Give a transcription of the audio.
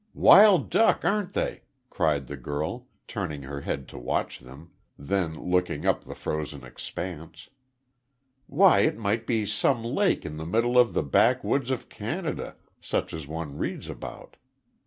"Wild duck, aren't they?" cried the girl, turning her head to watch them, then looking up the frozen expanse. "Why it might be some lake in the middle of the backwoods of Canada, such as one reads about."